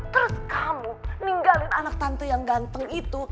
terus kamu ninggalin anak tantu yang ganteng itu